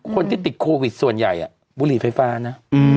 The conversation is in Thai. คนที่ติดโควิดส่วนใหญ่บุหรี่ไฟฟ้านะ